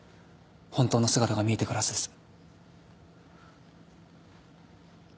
本当の姿が見えてくるはずです。